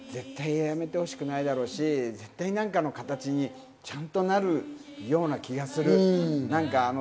やめてほしくないだろうし、何かの形にちゃんとなるような気がする。